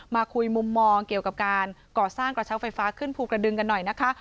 มาคุยมุมมองเกี่ยวกับการก่อสร้างกระเช้าไฟฟ้าขึ้นภูกระดึงกันหน่อยนะคะ